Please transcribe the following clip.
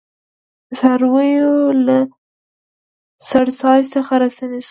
د څارویو رمې له څړځای څخه راستنې شوې.